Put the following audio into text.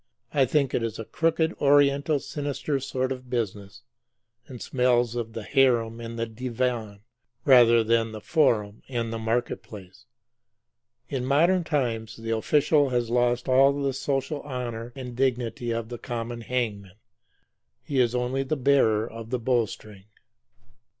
I think it is a crooked oriental, sinister sort of business, and smells of the harem and the divan rather than of the forum and the market place. In modern times the official has lost all the social honor and dignity of the common hangman. He is only the bearer of the bowstring.